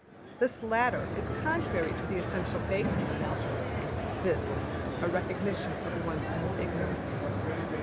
'' This latter is contrary to the essential basis of Algebra, viz., a recognition of one's own ignorance.